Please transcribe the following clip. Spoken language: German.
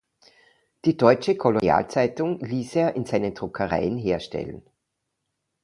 Die "Deutsche Colonial-Zeitung" ließ er in seinen Druckereien herstellen.